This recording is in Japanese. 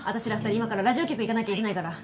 今からラジオ局行かなきゃいけないから。